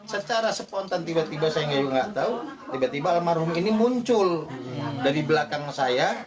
secara spontan tiba tiba saya nggak tahu tiba tiba almarhum ini muncul dari belakang saya